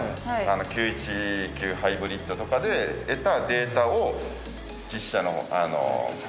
９１９ハイブリッドとかで得たデータを実車のほうに。